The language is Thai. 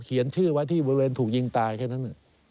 เขียนชื่อไว้ที่บริเวณถูกยิงตายแค่นั้น